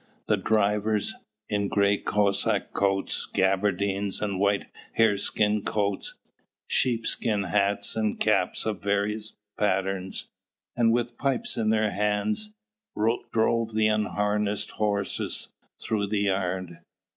The drivers, in grey Cossack coats, gaberdines, and white hare skin coats, sheepskin hats and caps of various patterns, and with pipes in their hands, drove the unharnessed horses through the yard.